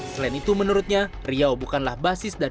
selain itu menurutnya